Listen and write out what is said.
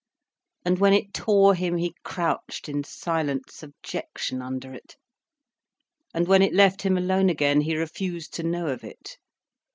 And when it tore him he crouched in silent subjection under it, and when it left him alone again, he refused to know of it.